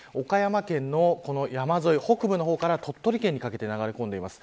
岡山県の山沿い、北部の方から鳥取県にかけて流れ込んでいます。